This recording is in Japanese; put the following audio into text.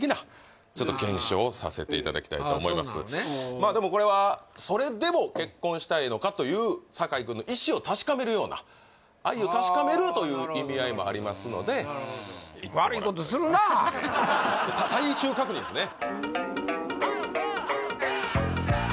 まあでもこれはという酒井君の意思を確かめるような愛を確かめるという意味合いもありますのでなるほど最終確認ですね